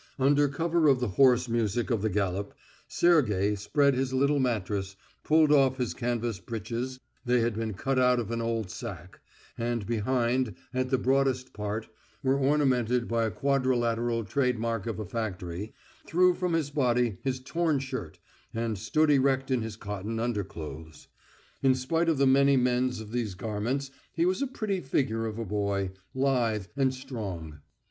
Under cover of the hoarse music of the galop, Sergey spread his little mattress, pulled off his canvas breeches they had been cut out of an old sack, and behind, at the broadest part, were ornamented by a quadrilateral trade mark of a factory threw from his body his torn shirt, and stood erect in his cotton underclothes. In spite of the many mends on these garments he was a pretty figure of a boy, lithe and strong.